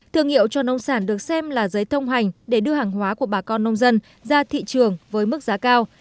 thương hiệu cho nông sản được xem là giấy thông hành để đưa hàng hóa của bà con nông dân ra thị trường với mức giá cao